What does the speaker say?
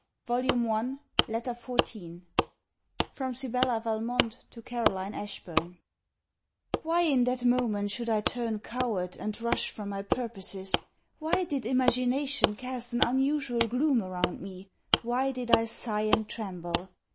CLEMENT MONTGOMERY LETTER XIV FROM SIBELLA VALMONT TO CAROLINE ASHBURN Why in that moment should I turn coward, and rush from my purposes? Why did imagination cast an unusual gloom around me? Why did I sigh and tremble?